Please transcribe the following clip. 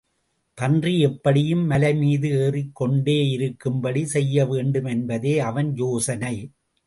பன்றி எப்படியும் மலைமீது ஏறிக் கொண்டேயிருக்கும்படி செய்ய வேண்டும் என்பதே அவன் யோசனை.